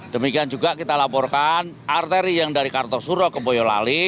demikian juga kita laporkan arteri yang dari kartosuro ke boyolali